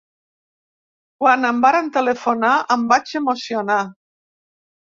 Quan em varen telefonar, em vaig emocionar.